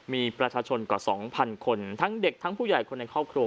มีประชาชนกว่า๒๐๐คนทั้งเด็กทั้งผู้ใหญ่คนในครอบครัว